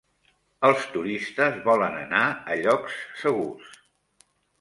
Els turistes volen anar a llocs segurs.